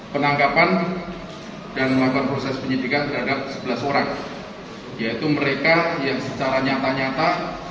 penangkapan dan melakukan proses penyidikan terhadap sebelas orang yaitu mereka yang secara nyata nyata